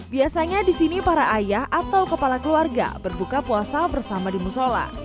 biasanya di sini para ayah atau kepala keluarga berbuka puasa bersama di musola